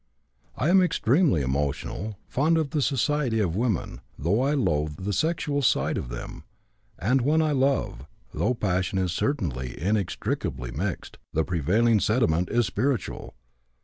I am extremely emotional, fond of the society of women, though I loathe the sexual side of them, and when I love, though passion is certainly inextricably mixed, the prevailing sentiment is spiritual.